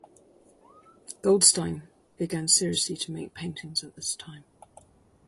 Goldstein began seriously to make paintings at this time.